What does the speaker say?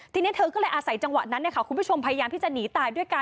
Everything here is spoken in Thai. ทีนี้เธอก็เลยอาศัยจังหวะนั้นคุณผู้ชมพยายามที่จะหนีตายด้วยกัน